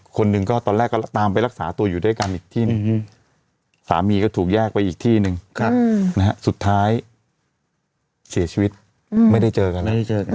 คนหนึ่งก็ตอนแรกก็ตามไปรักษาตัวอยู่ด้วยกันอีกที่หนึ่งสามีก็ถูกแยกไปอีกที่หนึ่งสุดท้ายเสียชีวิตไม่ได้เจอกัน